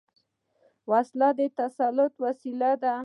وسله د تسلط وسيله ده